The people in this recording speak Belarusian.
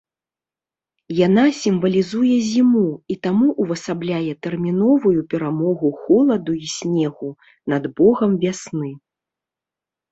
Яна сімвалізуе зіму і таму увасабляе тэрміновую перамогу холаду і снегу над богам вясны.